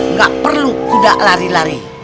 nggak perlu kuda lari lari